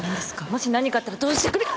もし何かあったらどうしてくれる。